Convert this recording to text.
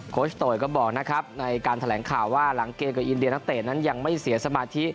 ชโตยก็บอกนะครับในการแถลงข่าวว่าหลังเกมกับอินเดียนักเตะนั้นยังไม่เสียสมาธิ